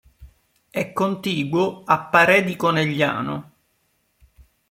È contiguo a Parè di Conegliano.